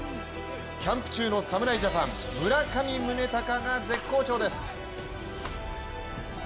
キャンプ中の侍ジャパン村上宗隆が絶好調です。